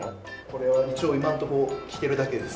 これは一応今のところ着てるだけです。